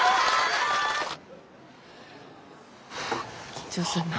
緊張するな。